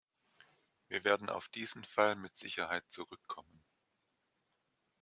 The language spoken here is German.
Wir werden auf diesen Fall mit Sicherheit zurückkommen.